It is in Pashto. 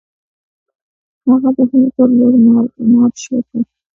هغه د هند پر لور مارش وکړ.